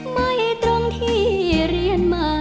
ไม่ตรงที่เรียนมา